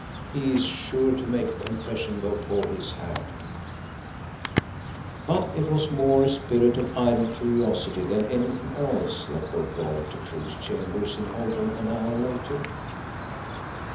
He is sure to make a confession before he is hanged." But it was more a spirit of idle curiosity than anything else that brought Rolfe to Crewe's chambers in Holborn an hour later.